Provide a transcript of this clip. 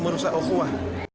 modusnya oh hua